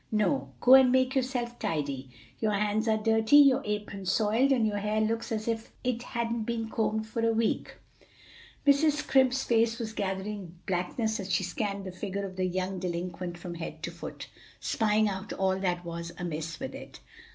"No; go and make yourself tidy. Your hands are dirty, your apron soiled, and your hair looks as if it hadn't been combed for a week." Mrs. Scrimp's face was gathering blackness as she scanned the figure of the young delinquent from head to foot, spying out all that was amiss with it.